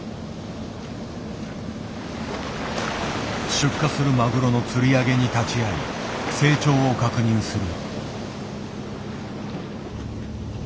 出荷するマグロの釣り上げに立ち会い成長を確認する。